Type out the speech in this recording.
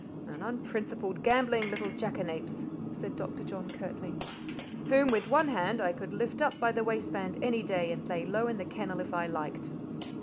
"An unprincipled, gambling little jackanapes!" said Dr. John curtly, "whom, with one hand, I could lift up by the waistband any day, and lay low in the kennel if I liked."